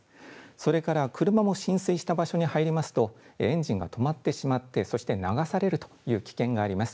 それから車も浸水した場所に入りますと、エンジンが止まってしまって、そして流されるという危険があります。